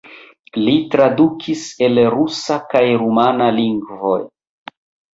Li tradukis el rusa kaj rumana lingvoj.